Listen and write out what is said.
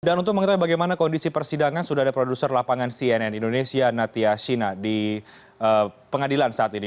dan untuk mengetahui bagaimana kondisi persidangan sudah ada produser lapangan cnn indonesia natia shina di pengadilan saat ini